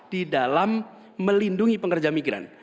di dalam melindungi pekerja migran